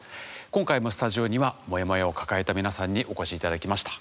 今回もスタジオにはモヤモヤを抱えた皆さんにお越し頂きました。